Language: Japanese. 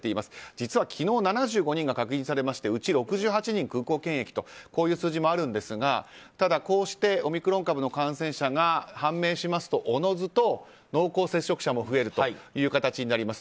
実は昨日７５人が確認されてうち６８人が空港検疫という数字もあるんですがただ、こうしてオミクロン株の感染者が判明しますとおのずと濃厚接触者も増えるという形になります。